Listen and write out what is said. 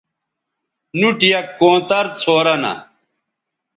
نُوٹ یک کونتر څھورہ نہ